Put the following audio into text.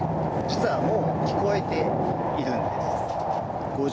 実はもう聞こえているんです。